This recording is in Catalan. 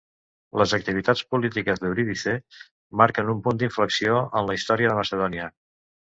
Les activitats polítiques d'Eurídice marquen un punt d'inflexió en la història de Macedònia.